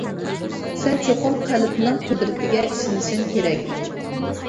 سەن چوقۇم قەلبنىڭ قۇدرىتىگە ئىشىنىشىڭ كېرەك.